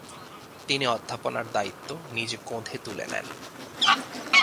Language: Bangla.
তিনি অধ্যাপনার দায়িত্ব নিজ কােঁধে তুলে নেন।